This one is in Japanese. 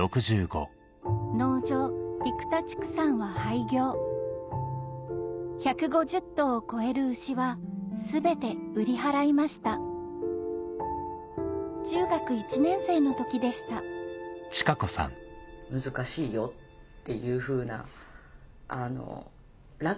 農場１５０頭を超える牛は全て売り払いました中学１年生の時でしたっていうふうな。